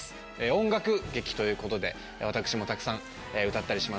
音楽劇ということで私もたくさん歌ったりします。